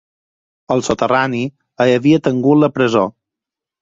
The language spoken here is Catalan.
Al soterrani hi havia tingut la presó.